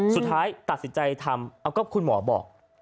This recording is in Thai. สุดท้ายตัดสินใจทำเอาก็คุณหมอบอก